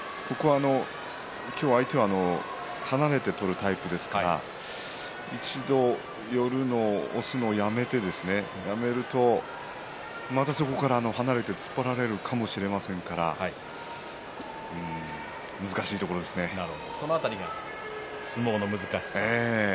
今日、相手は離れて取るタイプですから１度寄るのを押すのをやめて、やめるとまたそこから離れて突っ張られるかもしれませんからその辺りが相撲の難しさ。